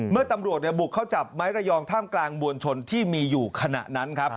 เมื่อตำรวจบุกเข้าจับไม้ระยองท่ามกลางมวลชนที่มีอยู่ขณะนั้นครับ